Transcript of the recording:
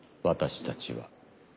私たちは。